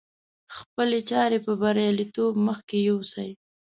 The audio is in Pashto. خپلې چارې په برياليتوب مخکې يوسي.